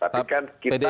tapi kan kita menguasai